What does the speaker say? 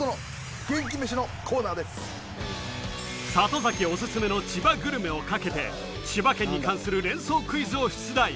里崎オススメの千葉グルメをかけて、千葉県に関する連想クイズを出題。